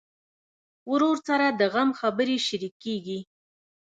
ورور سره د غم خبرې شريکېږي.